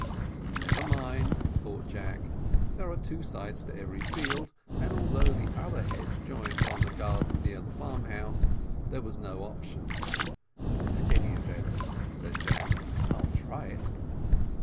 Never mind, thought Jack, there are two sides to every field, and although the other hedge joined on to the garden near to the farm house, there was no option. "At all events," said Jack, "I'll try it."